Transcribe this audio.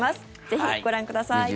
ぜひご覧ください。